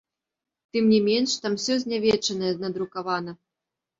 Тым не менш, там усё знявечанае надрукавана.